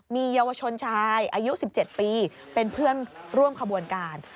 มีเยาวชนชายอายุ๑๗ปีเป็นเพื่อนร่วมขบวนการ